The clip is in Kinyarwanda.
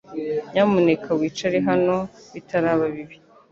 Nyamuneka wicare hano bitaraba bibi